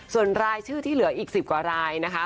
ส่วนรายชื่อที่เหลืออีก๑๐กว่ารายนะคะ